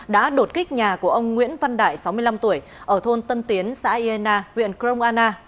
đã đột kích nhà của ông nguyễn văn đại sáu mươi năm tuổi ở thôn tân tiến xã yên na huyện crom anna